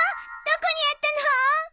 どこにあったの？